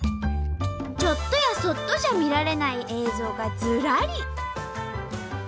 ちょっとやそっとじゃ見られない映像がずらり！